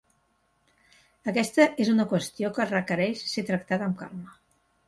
Aquesta és una qüestió que requereix ser tractada amb calma.